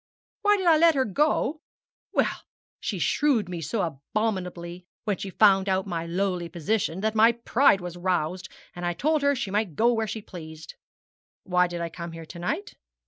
'Why did I let her go? Well she shrewed me so abominably when she found out my lowly position that my pride was roused, and I told her she might go where she pleased. Why did I come here to night?